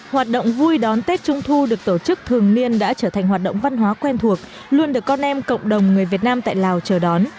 hoạt động vui đón tết trung thu được tổ chức thường niên đã trở thành hoạt động văn hóa quen thuộc luôn được con em cộng đồng người việt nam tại lào chờ đón